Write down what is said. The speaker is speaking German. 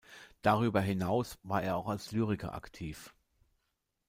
Darüber hinaus war er auch als Lyriker aktiv.